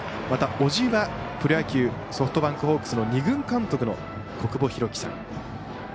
また、おじはプロ野球ソフトバンクホークスの２軍監督の小久保裕紀さん。